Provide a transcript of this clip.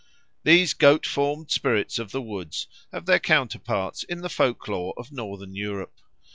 These goat formed spirits of the woods have their counterparts in the folk lore of Northern Europe.